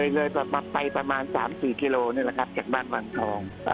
เลยไปประมาณ๓๔กิโลนี่แหละครับจากบ้านวังทอง